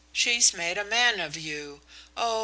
She's made a man of you. Oh!